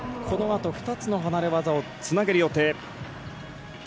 ２つの離れ技をつなげる予定。